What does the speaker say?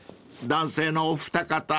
男性のお二方］